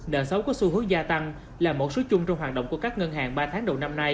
nợ xấu có xu hướng gia tăng là một số chung trong hoạt động của các ngân hàng